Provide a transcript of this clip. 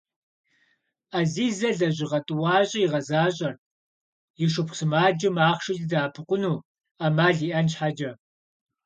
Ӏэзизэ лэжьыгъэ тӀуащӀэ игъэзащӀэрт и шыпхъу сымаджэм ахъшэкӀэ дэӀэпыкъуну Ӏэмал иӀэн щхьэкӀэ.